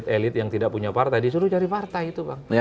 jadi bahkan elit elit yang tidak punya partai disuruh cari partai itu bang